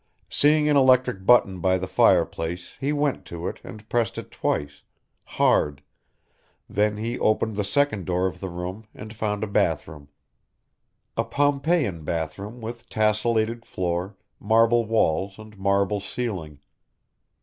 Seeing an electric button by the fire place he went to it and pressed it twice, hard, then he opened the second door of the room and found a bath room. A Pompeian bath room with tassellated floor, marble walls and marble ceiling.